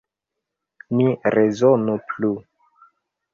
Ni rezonu plu.